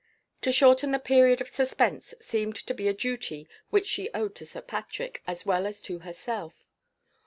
To shorten the period of suspense seemed to be a duty which she owed to Sir Patrick, as well as to herself.